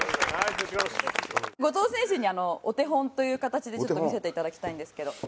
後藤選手にお手本という形でちょっと見せていただきたいんですけど。